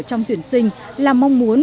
trong tuyển sinh là mong muốn